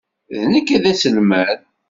D nekk ay d aselmad.